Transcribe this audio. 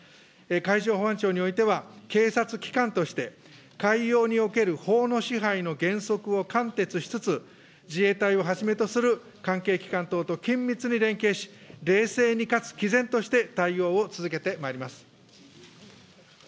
海上保安庁においては、警察機関として、海洋における法の支配の原則を貫徹しつつ、自衛隊をはじめとする関係機関等と緊密に連携し、冷静にかつきぜんとして対応を続けてまいります。